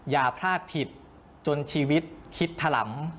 อย่าพลาดผิดจนชีวิตคิดถล่ำ